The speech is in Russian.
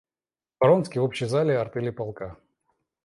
Вронский в общей зале артели полка.